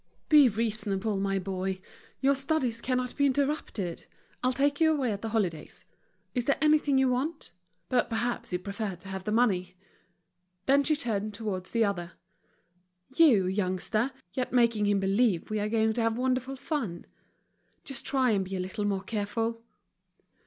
"Be reasonable, my boy. Your studies cannot be interrupted. I'll take you away at the holidays. Is there anything you want? But perhaps you prefer to have the money." Then she turned towards the other. "You, youngster, yet making him believe we are going to have wonderful fun. Just try and be a little more careful."